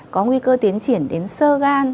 có nguy cơ tiến triển đến sơ gan